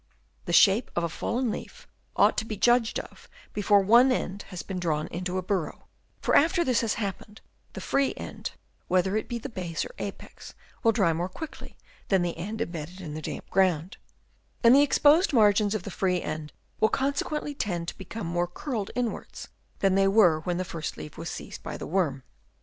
The shape of a fallen leaf ought to be judged of before one end has been drawn into a burrow, for after this has happened, the free end, whether it be the base or apex, will dry more quickly than the end embedded in the damp ground ; and the exposed margins of the free end will consequently tend to become more curled inwards than they were when the leaf was first seized by the worm.